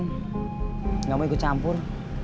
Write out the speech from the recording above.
nggak mau ikut campur